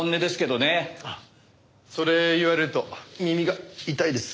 それ言われると耳が痛いです。